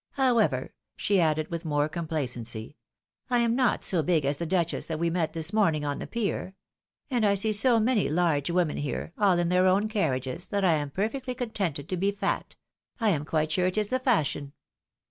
" However," she added, with more complacency, " I'am not so big as the duchess that we met this morning on the Pier — and I see so many large women here, all' in their own carriages, that I am perfectly con tented to be fat — ^I am quite sure it is the fashion."